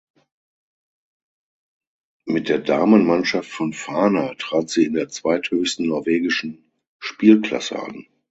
Mit der Damenmannschaft von Fana trat sie in der zweithöchsten norwegischen Spielklasse an.